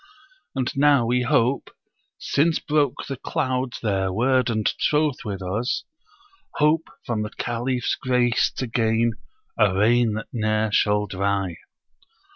And now we hope since broke the clouds their word and troth with us Hope from the Caliph's grace to gain a rain that ne'er shall dry.'